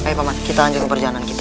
ayo pak mas kita lanjutkan perjalanan kita